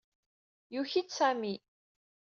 Yuki-d Sami.